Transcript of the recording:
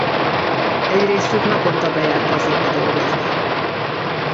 Egy részük naponta bejár Pazinba dolgozni.